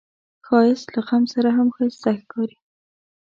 ښایست له غم سره هم ښايسته ښکاري